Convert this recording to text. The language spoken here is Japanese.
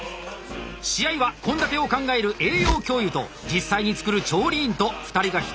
試合は献立を考える栄養教諭と実際に作る調理員と２人が１組になって出場。